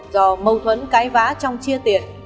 do mâu thuẫn cái vã trong chia tiền